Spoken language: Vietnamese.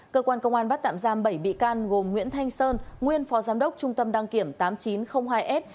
cơ quan công an bắt tạm giam bảy bị can gồm nguyễn thanh sơn nguyên phó giám đốc trung tâm đăng kiểm tám nghìn chín trăm linh hai s